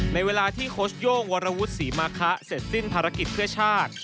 ในเวลาที่โค้ชโย่งวรวุฒิศรีมาคะเสร็จสิ้นภารกิจเพื่อชาติ